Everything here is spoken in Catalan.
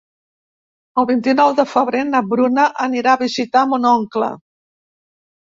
El vint-i-nou de febrer na Bruna anirà a visitar mon oncle.